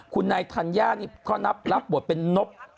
คุณนายธัญญานี่ก็นับรับบทเป็นนบ